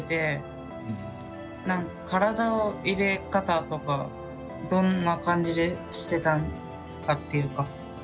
体の入れ方とかどんな感じでしてたのかっていうか。